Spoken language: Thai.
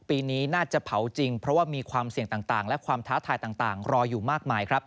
ปีนี้น่าจะเผาจริงเพราะว่ามีความเสี่ยงต่างและความท้าทายต่างรออยู่มากมายครับ